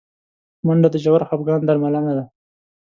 منډه د ژور خفګان درملنه ده